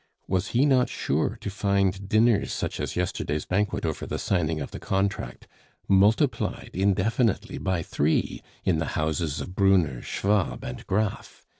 Was he not sure to find dinners such as yesterday's banquet over the signing of the contract, multiplied indefinitely by three, in the houses of Brunner, Schwab, and Graff?